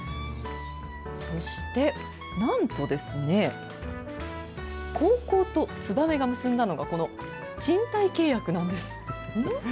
そして、なんとですね、高校とツバメが結んだのが、この賃貸契約なんです。